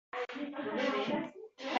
Otamning boshqa bir hikoyati bor edi.